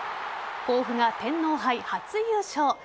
甲府が天皇杯初優勝。